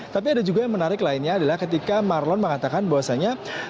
tapi ada juga yang menarik lainnya adalah ketika marlon mengatakan bahwasannya